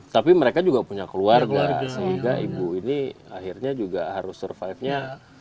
tapi mereka juga punya keluarga sehingga ibu ini akhirnya juga harus survive nya